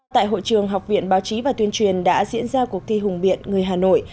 tại hội trường học viện báo chí và tuyên truyền đã diễn ra cuộc thi hùng biện người hà nội